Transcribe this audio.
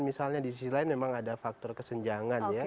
misalnya di sisi lain memang ada faktor kesenjangan ya